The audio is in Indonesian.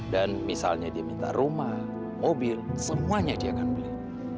dan misalnya dia minta rumah mobil semuanya dia akan beli